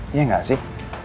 iya enggak sih